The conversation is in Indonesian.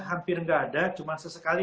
hampir nggak ada cuma sesekali